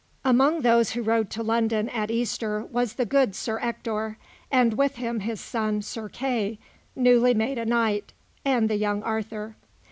Among those who rode to London at Easter was the good Sir Ector, and with him his son, Sir Kay, newly made a knight, and the young Arthur.